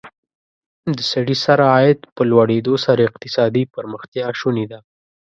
د سړي سر عاید په لوړېدو سره اقتصادي پرمختیا شونې ده.